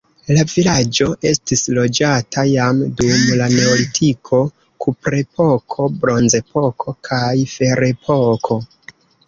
La vilaĝo estis loĝata jam dum la neolitiko, kuprepoko, bronzepoko kaj ferepoko.